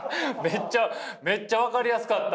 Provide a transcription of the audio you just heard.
めっちゃ分かりやすかった？